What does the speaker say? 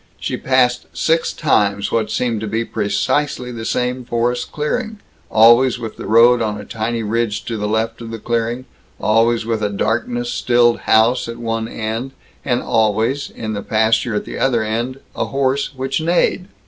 She passed six times what seemed to be precisely the same forest clearing, always with the road on a tiny ridge to the left of the clearing, always with a darkness stilled house at one end and always, in the pasture at the other end, a horse which neighed.